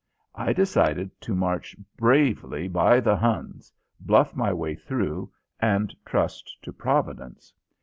I decided to march bravely by the Huns, bluff my way through, and trust to Providence.